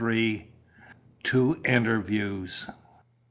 TWO INTERVIEWS.